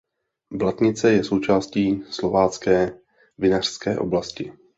Blatnice je součástí Slovácké vinařské oblasti.